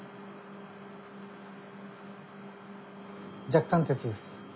若干鉄です。